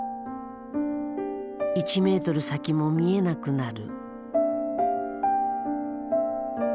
１メートル先も見えなくなる。